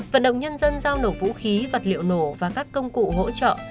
vận động nhân dân giao nổ vũ khí vật liệu nổ và các công cụ hỗ trợ